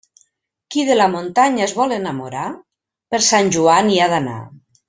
Qui de la muntanya es vol enamorar, per Sant Joan hi ha d'anar.